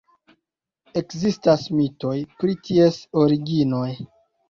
Ekzistas mitoj pri ties originoj.